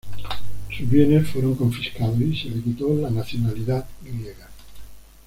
Sus bienes fueron confiscados y se le quitó la nacionalidad griega.